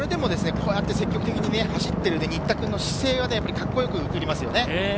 それでもこうやって積極的に走っている新田君の姿勢はカッコよく映りますよね。